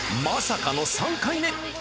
まさかの３回目。